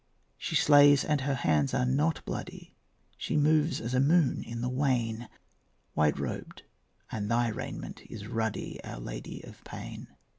She slays, and her hands are not bloody; She moves as a moon in the wane, White robed, and thy raiment is ruddy, Our Lady of Pain.